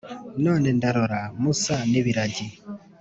none ndarora musa n’ibiragi